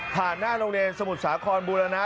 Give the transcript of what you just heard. หน้าโรงเรียนสมุทรสาครบูรณะ